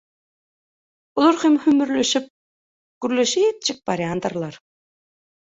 Olaram hümürdeşip gürleşipjik barýardylar.